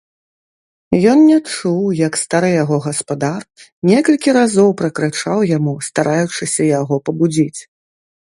Ён не чуў, як стары яго гаспадар некалькі разоў пракрычаў яму, стараючыся яго пабудзіць.